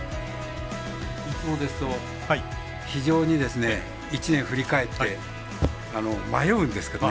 いつもですと非常に１年振り返って迷うんですけどね